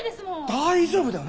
大丈夫だよ！